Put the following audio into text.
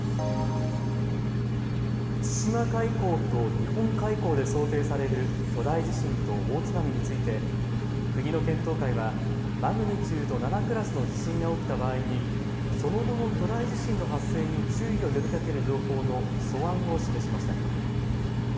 千島海溝と日本海溝で想定される巨大地震と大津波について、国の検討会はマグニチュード７クラスの地震が起きた場合に、その後の巨大地震の発生に注意を呼びかける情報の素案を示しました。